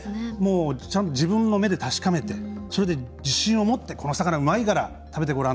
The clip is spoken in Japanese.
自分の目で確かめてそれで、自信を持ってこの魚うまいから食べてごらん。